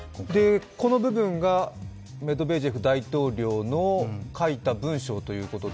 この部分がメドベージェフ大統領の書いた文章ということで。